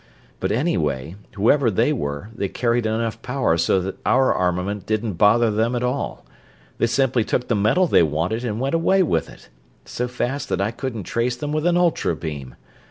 But anyway, whoever they were, they carried enough power so that our armament didn't bother them at all. They simply took the metal they wanted and went away with it so fast that I couldn't trace them with an ultra beam.